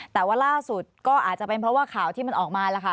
แต่ว่าล่าสุดก็อาจจะเป็นเพราะว่าข่าวที่มันออกมาแล้วค่ะ